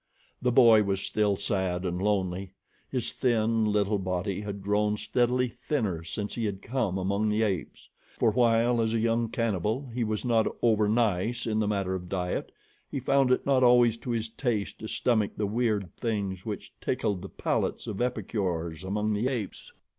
The boy was still sad and lonely. His thin, little body had grown steadily thinner since he had come among the apes, for while, as a young cannibal, he was not overnice in the matter of diet, he found it not always to his taste to stomach the weird things which tickled the palates of epicures among the apes.